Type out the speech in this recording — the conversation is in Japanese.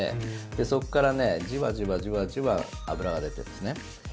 で、そこからじわじわじわじわ油が出ているんですね。